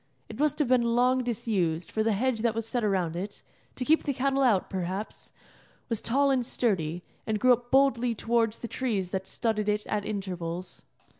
It must have been long disused, for the hedge that was set around it to keep the cattle out, perhaps was tall and sturdy, and grew up boldly towards the trees that studded it at intervals.